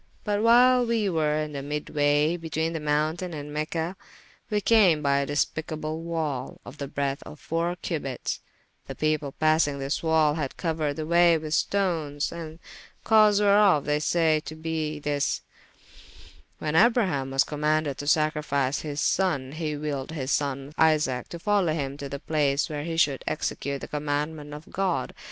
But whyle wee were in the mydwaye between the mountayne and Mecha, we came by a despicable wall, of the breadthe of foure cubites: the people passyng this wall, had couered the waye with stones, the cause whereof, they saye to be this: when Abraham was commaunded to sacrifice his sonne, he wylled his sonne Isaac to folowe hym to the place where he should execute the commaundement of God.